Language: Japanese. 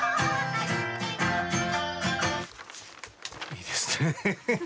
いいですね。